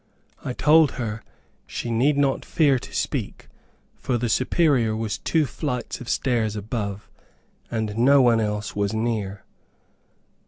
I told her she need not fear to speak, for the Superior was two flights of stairs above, and no one else was near.